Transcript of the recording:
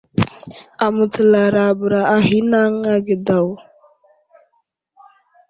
Amətsalara bəra a ghinaŋ age daw.